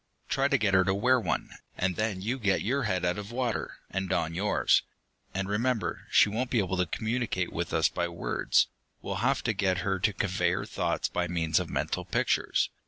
Try to get her to wear one, and then you get your head out of water, and don yours. And remember, she won't be able to communicate with us by words we'll have to get her to convey her thoughts by means of mental pictures.